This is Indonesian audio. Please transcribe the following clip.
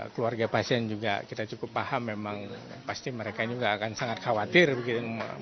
keluarga pasien juga kita cukup paham memang pasti mereka juga akan sangat khawatir begitu